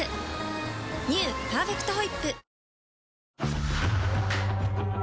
「パーフェクトホイップ」